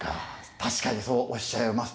確かにそうおっしゃいました。